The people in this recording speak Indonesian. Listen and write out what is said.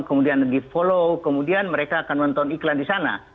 kemudian di follow kemudian mereka akan menonton iklan di sana